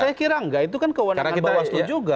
saya kira enggak itu kan kewenangan bawaslu juga